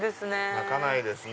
鳴かないですね。